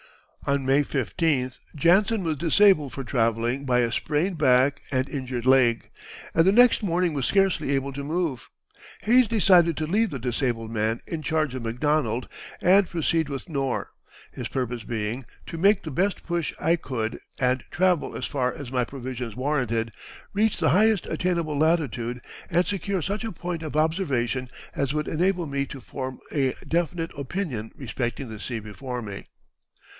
On May 15th Jansen was disabled for travelling by a sprained back and injured leg, and the next morning was scarcely able to move. Hayes decided to leave the disabled man in charge of McDonald and proceed with Knorr, his purpose being "to make the best push I could and travel as far as my provisions warranted, reach the highest attainable latitude and secure such a point of observation as would enable me to form a definite opinion respecting the sea before me."